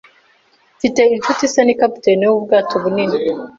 Mfite inshuti se ni capitaine wubwato bunini.